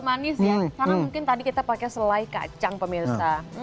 karena mungkin tadi kita pake selai kacang pemirsa